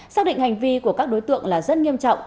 xác định hành vi của các đối tượng là rất nghiêm trọng